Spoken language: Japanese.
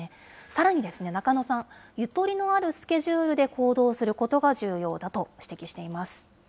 さらに、中野さん、ゆとりのあるスケジュールで行動することが重要だと指摘しています。